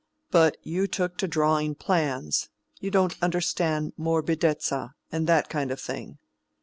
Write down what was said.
But you took to drawing plans; you don't understand morbidezza, and that kind of thing.